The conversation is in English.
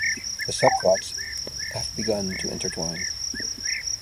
The subplots have begun to intertwine.